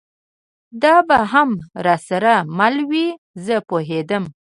دا به هم را سره مله وي، زه پوهېدم.